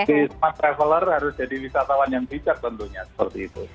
jadi para traveler harus jadi wisatawan yang bijak tentunya seperti itu